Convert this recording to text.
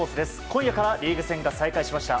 今夜からリーグ戦が再開しました。